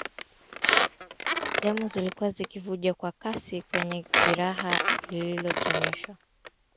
Damu zilikuwa zikivuja kwa kasi kwenye jeraha lililotoneshwa